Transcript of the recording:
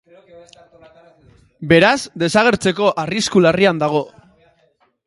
Beraz desagertzeko arrisku larrian dago.